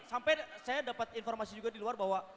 sampai saya dapat informasi juga di luar bahwa